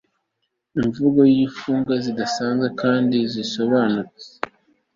Imvugo yingufu zidasanzwe kandi zidasobanutse